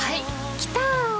きた！